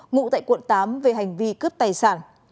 ngụ tại quận tám về hành vi cướp tài sản